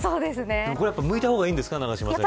これは、むいた方がいいんですか。